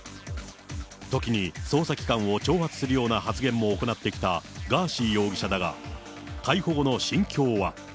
時に捜査機関を挑発するような発言も行ってきたガーシー容疑者だが、逮捕後の心境は。